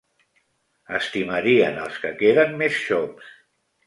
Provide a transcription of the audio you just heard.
Estimarien els que queden més xops.